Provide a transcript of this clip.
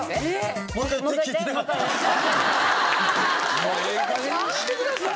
もうええ加減にしてください。